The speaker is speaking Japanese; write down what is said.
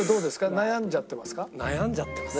悩んじゃってますね。